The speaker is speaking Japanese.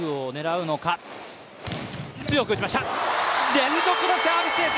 連続のサービスエース！